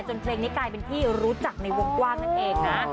เพลงนี้กลายเป็นที่รู้จักในวงกว้างนั่นเองนะ